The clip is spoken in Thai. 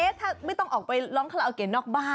ถ้าไม่ต้องออกไปร้องคาราโอเกะนอกบ้าน